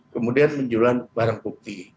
kemudian menjual barang bukti